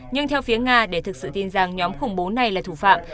nhưng theo phía nga để thực sự tin rằng nhóm khủng bố này là thủ phạm